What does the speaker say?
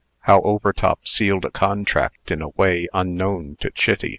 HOW OVERTOP SEALED A CONTRACT IN A WAY UNKNOWN TO CHITTY.